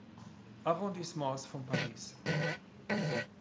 Arrondissements von Paris.